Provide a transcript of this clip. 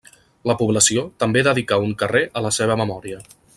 La població també dedicà un carrer a la seva memòria.